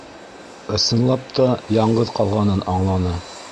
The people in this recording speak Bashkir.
Ысынлап та яңғыҙ ҡалғанын аңланы.